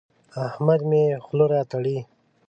احمد مې خوله راتړي.